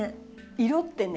色ってね